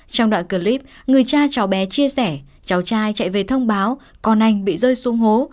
trong đoạn clip người cha cháu bé chia sẻ cháu trai chạy về thông báo con anh bị rơi xuống hố